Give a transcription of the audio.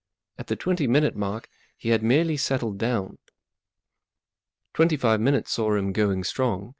At the twenty minute mark he had merely settled down. Twenty five minutes saw him going strong.